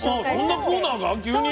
そんなコーナーが急に？